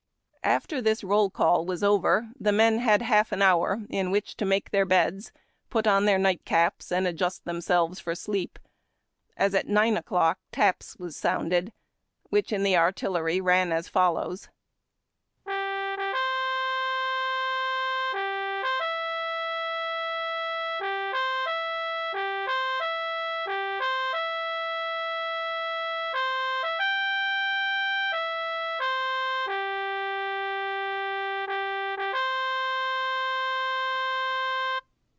After this roll call was over, the men had half an hour in which to make their beds, put on their nightcaps, and adjust themselves for sleep, as at nine o'clock Taps was sounded, which in the artillery ran as follows :— Taps.